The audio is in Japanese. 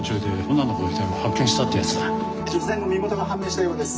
「女性の身元が判明したようです。